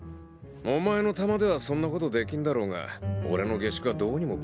お前の玉ではそんなことできんだろうが俺の下宿はどうにも物騒だ。